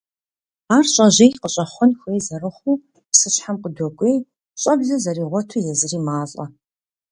Ауэ щӀэжьей къыщӀэхъуэн хуей зэрыхъуу, псыщхьэм къыдокӀуей, щӀэблэ зэригъуэту езыри малӀэ.